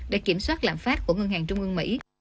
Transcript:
để kiểm soát lạm phát của ngân hàng trung ương mỹ